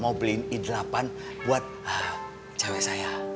mau beliin i delapan buat cewek saya